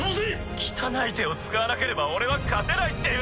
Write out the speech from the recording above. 汚い手を使わなければ俺は勝てないっていうのか？